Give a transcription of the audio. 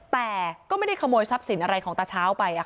แต่ก็ไม่ได้ขโมยทรัพย์สินอะไรของตาเช้าไป